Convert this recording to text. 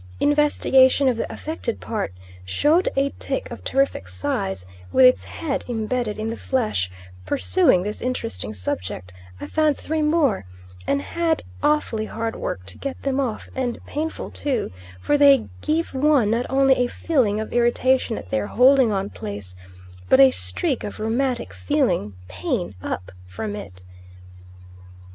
Investigation of the affected part showed a tick of terrific size with its head embedded in the flesh; pursuing this interesting subject, I found three more, and had awfully hard work to get them off and painful too for they give one not only a feeling of irritation at their holding on place, but a streak of rheumatic feeling pain up from it.